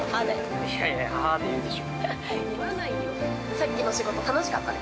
◆さっきの仕事、楽しかったね。